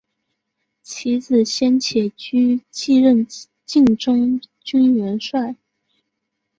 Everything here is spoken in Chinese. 其子先且居继任晋中军元帅。